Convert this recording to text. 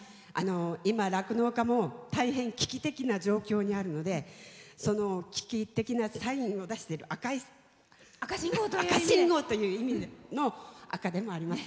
今、酪農家も大変危機的な状況にあるのでその危機的なサインを出してる赤信号という意味の赤でもあります。